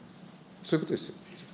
そういうことですよね。